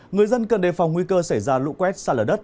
người dân cần đề phòng nguy cơ xảy ra lũ quét xa lở đất